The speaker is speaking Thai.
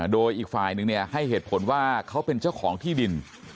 โดยอีกฝ่ายนึงให้เหตุผลว่าเขาเป็นเจ้าของที่ดิน